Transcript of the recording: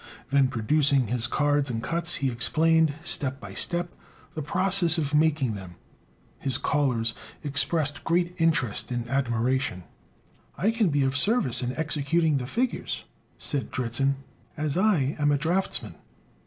Then producing his cards and cuts, he explained, step by step, the process of making them. His callers expressed great interest and admiration. "I can be of service in executing the figures," said Dritzhn, "as I am a draughtsman."